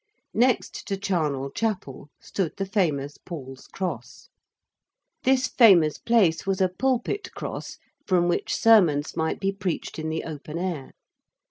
Next to Charnel Chapel stood the famous Paul's Cross. This famous place was a Pulpit Cross, from which sermons might be preached in the open air.